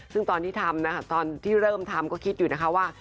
ซึ่งตอนที่ทำนะคะตอนที่เริ่มทำก็คิดอยู่นะคะว่า